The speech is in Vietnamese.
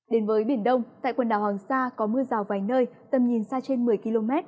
đến với biển đông tại quần đảo hoàng sa có mưa rào vài nơi tầm nhìn xa trên một mươi km